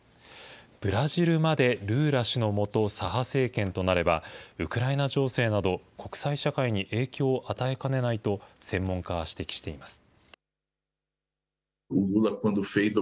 ブラジルまでルーラ氏の下、左派政権となれば、ウクライナ情勢など、国際社会に影響を与えかねないと、専門家は指摘しています。